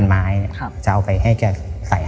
ครับจะเอาไฟให้แกส๒๐๐๗